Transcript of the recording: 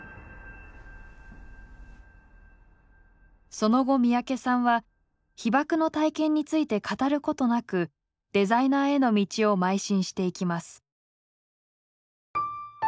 その後三宅さんは被爆の体験について語ることなくデザイナーへの道をまい進していきます。